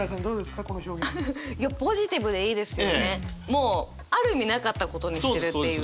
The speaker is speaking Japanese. もうある意味なかったことにしてるっていうね。